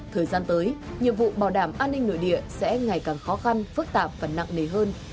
thời gian tới nhiệm vụ bảo đảm an ninh nội địa sẽ ngày càng khó khăn phức tạp và nặng nề hơn